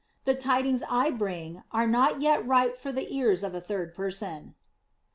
The tidings I bring are not yet ripe for the ears of a third person."